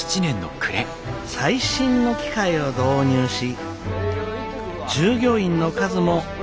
最新の機械を導入し従業員の数も大幅に増やしました。